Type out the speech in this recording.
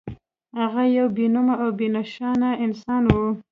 هغه يو بې نومه او بې نښانه انسان و.